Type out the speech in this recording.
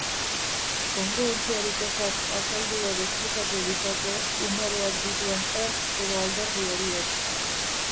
Kongruentziarik ezak azaldu edo esplikatu ditzake umoreak dituen ertz edo alderdi horiek.